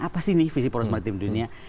apa sih nih visi poros maritim dunia